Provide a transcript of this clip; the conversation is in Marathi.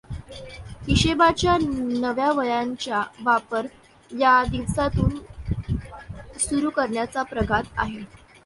हिशेबाच्या नव्या वह्यांचा वापर या दिवसापासून सुरु करण्याचा प्रघात आहे.